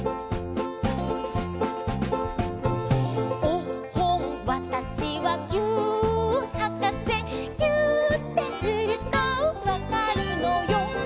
「おっほんわたしはぎゅーっはかせ」「ぎゅーってするとわかるのよ」